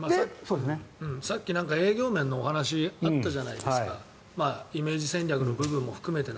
さっき営業面のお話あったじゃないですかイメージ戦略の部分も含めて